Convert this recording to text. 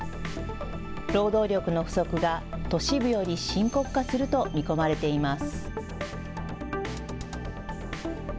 労働力の不足が都市部より深刻化すると見込まれています。